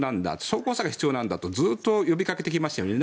装甲車が必要なんだとずっと呼びかけてきましたよね。